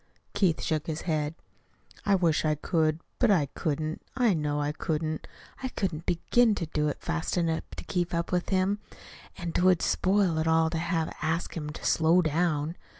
Keith shook his head. "I wish I could. But I couldn't, I know I couldn't. I couldn't begin to do it fast enough to keep up with him, and 't would spoil it all to have to ask him to slow down.